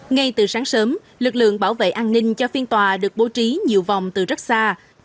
ngay từ sáng sớm lực lượng bảo vệ an ninh cho phiên tòa được bố trí nhiều vòng từ rất xa